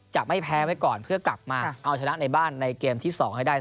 จะไม่แพ้ไว้ก่อนเพื่อกลับมาเอาชนะในบ้านในเกมที่๒ให้ได้